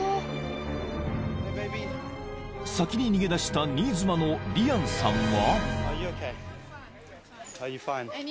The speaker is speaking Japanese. ［先に逃げだした新妻のリアンさんは？］